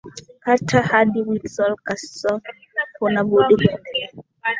Carta hadi Windsor Castle Huna budi kuendelea